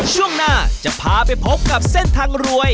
ช่วงหน้าจะพาไปพบกับเส้นทางรวย